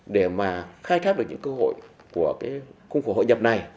để mà khai thác được những cơ hội của cái khung khổ hội nhập này